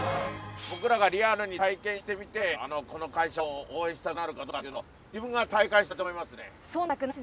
僕らがリアルに体験してみてこの会社を応援したくなるかどうかっていうのを自分が体感したいと思いますね。